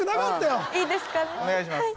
はいお願いします